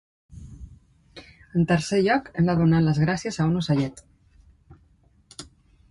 En tercer lloc, hem de donar les gràcies a un ocellet.